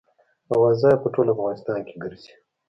اوازه یې په ټول افغانستان کې ګرزي.